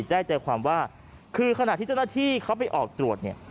ใจใจความว่าคือขณะที่เจ้าหน้าที่เขาไปออกตรวจเนี่ย